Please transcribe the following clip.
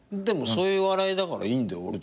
でもそういうお笑いだからいいんだよ